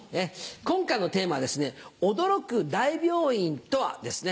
今回のテーマは「驚く大病院とは？」ですね。